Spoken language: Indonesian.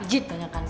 pijit banyak kan